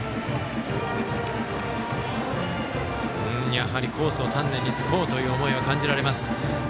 やはり、コースを丹念に突こうという思いが感じられます。